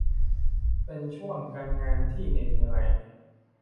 เป็นช่วงการงานที่เหน็ดเหนื่อย